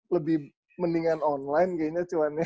lebih mendingan online kayaknya cuman ya